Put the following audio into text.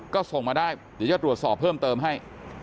ก็ส่งมาได้เดี๋ยวจะตรวจสอบเพิ่มเติมให้